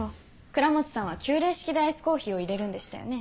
倉持さんは急冷式でアイスコーヒーを入れるんでしたよね。